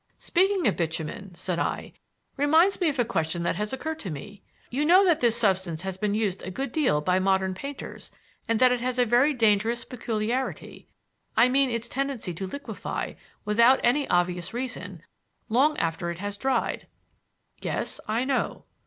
"Speaking of bitumen," said I, "reminds me of a question that has occurred to me. You know that this substance has been used a good deal by modern painters and that it has a very dangerous peculiarity; I mean its tendency to liquefy, without any obvious reason, long after it has dried." "Yes, I know.